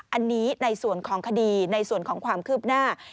อันนี้ในส่วนของคดีในส่วนของความคืบหน้า